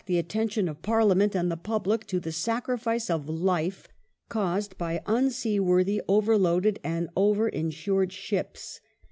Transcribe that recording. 444 THE NEW TORYISM [1874 attention of Parliament and the public to the sacrifice of life caused by unseaworthy, overloaded, and over insured ships.